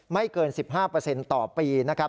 ไม่เกิน๑๕ต่อปีนะครับ